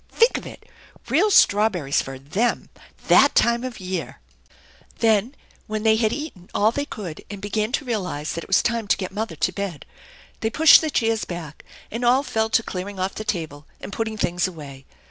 Think of it ! Real strawberries for them that time of year I Then, when they had eaten all they could, and began tc realize that it was time to get mother to bed, they pushed the chairs back, and all fell to clearing off the table and putting things away.